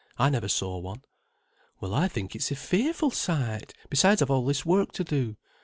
I never saw one." "Well, I think it's a fearful sight. Besides I've all this work to do."